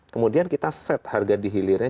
kemudian kita set harga dihilirnya